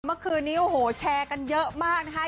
เมื่อคืนนี้โอ้โหแชร์กันเยอะมากนะคะ